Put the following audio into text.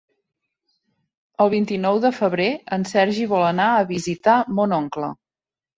El vint-i-nou de febrer en Sergi vol anar a visitar mon oncle.